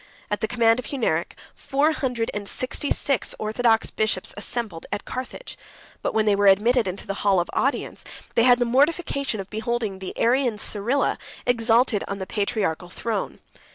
94 At the command of Hunneric, four hundred and sixty six orthodox bishops assembled at Carthage; but when they were admitted into the hall of audience, they had the mortification of beholding the Arian Cyrila exalted on the patriarchal throne.